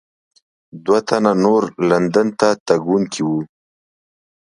دوه تنه نور لندن ته تګونکي وو.